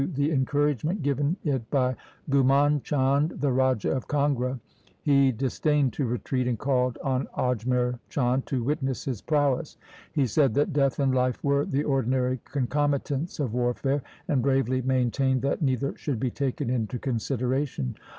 136 THE SIKH RELIGION encouragement given it by Ghumand Chand, the Raja of Kangra. He disdained to retreat, and called on Ajmer Chand to witness his prowess. He said that death and life were the ordinary concomitants of warfare, and bravely maintained that neither should be taken into consideration.